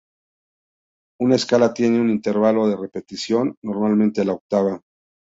Una escala tiene un intervalo de repetición, normalmente la octava.